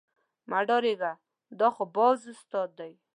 مه ډارېږئ دا خو باز استاد دی.